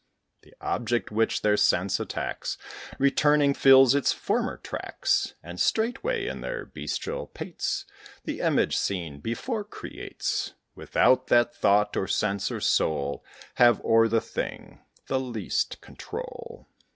The object which their sense attacks, Returning, fills its former tracks, And straightway, in their bestial pates, The image seen before creates, Without that thought, or sense, or soul Have o'er the thing the least control.